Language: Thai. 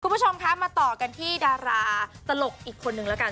คุณผู้ชมคะมาต่อกันที่ดาราตลกอีกคนนึงแล้วกัน